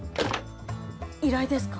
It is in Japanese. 依頼ですか？